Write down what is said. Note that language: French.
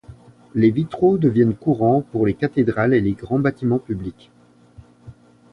Les vitraux deviennent courants pour les cathédrales et les grands bâtiments publics.